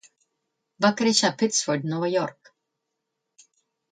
Va créixer a Pittsford, Nova York.